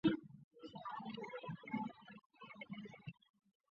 万历十年进士。